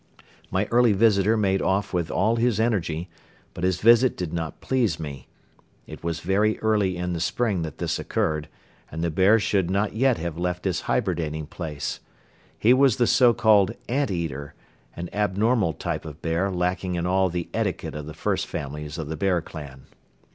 My early visitor made off with all his energy; but his visit did not please me. It was very early in the spring that this occurred and the bear should not yet have left his hibernating place. He was the so called "ant eater," an abnormal type of bear lacking in all the etiquette of the first families of the bear clan.